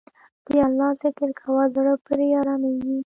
د الله ذکر کوه، زړه پرې آرامیږي.